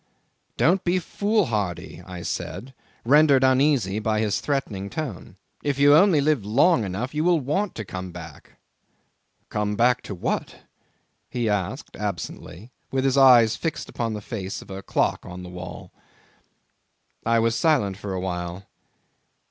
'"Don't be foolhardy," I said, rendered uneasy by his threatening tone. "If you only live long enough you will want to come back." '"Come back to what?" he asked absently, with his eyes fixed upon the face of a clock on the wall. 'I was silent for a while.